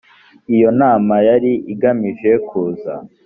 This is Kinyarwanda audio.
iyo nama yari igamije kuza